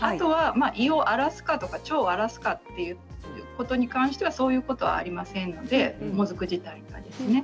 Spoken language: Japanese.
胃を荒らすか腸を荒らすかということに関してはそういうことはありませんのでもずく自体にはですね。